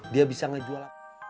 dia bisa ngejual